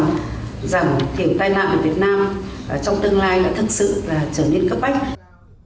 giảm thiểm tai nạn ở việt nam trong tương lai thực sự trở nên cấp bách